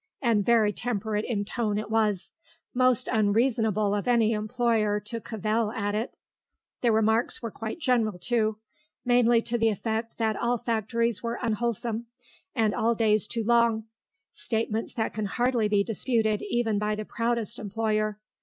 And very temperate in tone it was; most unreasonable of any employer to cavil at it. The remarks were quite general, too; mainly to the effect that all factories were unwholesome, and all days too long; statements that can hardly be disputed even by the proudest employer.